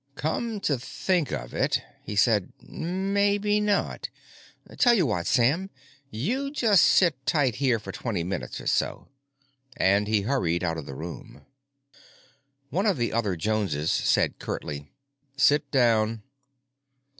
"Come to think of it," he said, "maybe not. Tell you what, Sam, you just sit tight here for twenty minutes or so." And he hurried out of the room. One of the other Joneses said curtly, "Sit down."